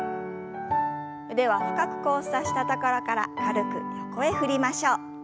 腕は深く交差したところから軽く横へ振りましょう。